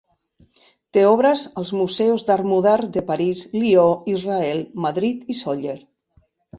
Té obres als museus d'art modern de París, Lió, Israel, Madrid i Sóller.